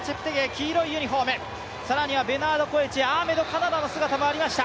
黄色いユニフォーム、更にはベナード・コエチ、カナダの姿もありました。